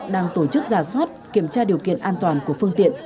đang tổ chức giả soát kiểm tra điều kiện an toàn của phương tiện